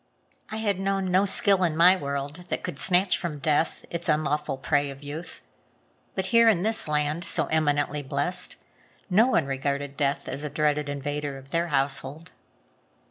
I had known no skill in my world that could snatch from death its unlawful prey of youth. But here, in this land so eminently blessed, no one regarded death as a dreaded invader of their household.